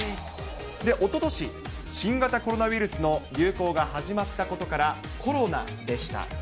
おととし、新型コロナウイルスの流行が始まったことから、コロナでした。